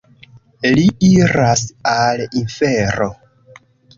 Li iras al infero.